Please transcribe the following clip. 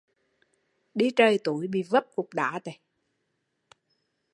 Đi trời túi bị bấp cục đá